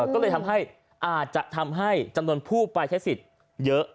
ก็เลยทำให้อาจจะทำให้จำนวนผู้ไปใช้สิทธิ์เยอะ